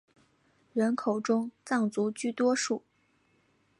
人口中藏族居多数。